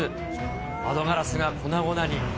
窓ガラスが粉々に。